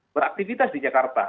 beraktivitas di jakarta